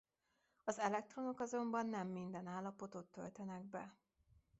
Az elektronok azonban nem minden állapotot töltenek be.